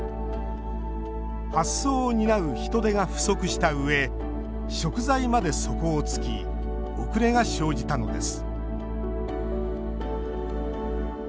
発送を担う人手が不足したうえ食材まで底をつき遅れが生じたのです